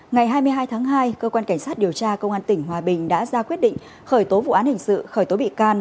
ngày hai mươi hai tháng hai cơ quan cảnh sát điều tra công an tỉnh hòa bình đã ra quyết định khởi tố vụ án hình sự khởi tố bị can